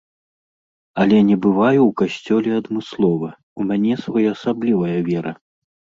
Але не бываю ў касцёле адмыслова, у мяне своеасаблівая вера.